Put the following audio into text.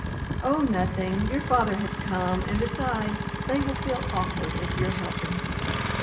"Oh, nothing; your father has come, and besides, they will feel awkward at your helping."